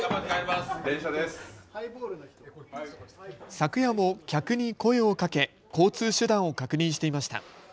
昨夜も客に声をかけ交通手段を確認していました。